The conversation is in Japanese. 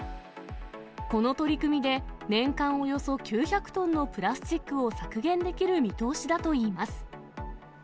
この取り組みで、年間およそ９００トンのプラスチックを削減できる見通しだといいます。